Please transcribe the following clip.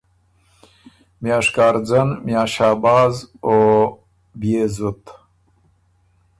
میاں شکارځن، میاں شهباز، او بيې زُت۔